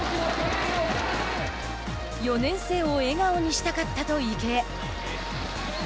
４年生を笑顔にしたかったと池江。